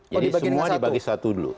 jadi semua dibagi satu dulu